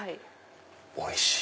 おいしい。